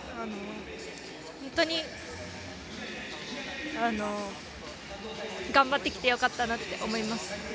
本当に頑張ってきて良かったなって思います。